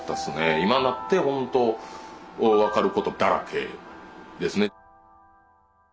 今になって本当分かることだらけですね。